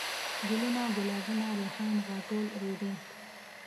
ګلوونه ،ګلابونه ،ريحان ،غاټول ،رېدی